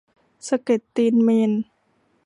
สะเก็ดตีนเมรุ